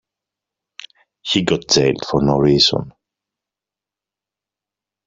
He got jailed for no reason.